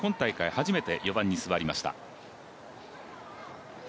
初めて４番に座りました。